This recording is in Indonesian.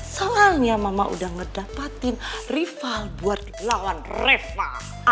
soalnya mama udah ngedapatin rival buat lawan reva